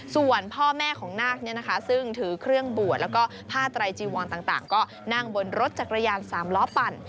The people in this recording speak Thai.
ส่วนพ่อแม่ของนาคซึ่งถือเครื่องบวชแล้วก็ผ้าไตรจีวรต่างก็นั่งบนรถจักรยาน๓ล้อปั่น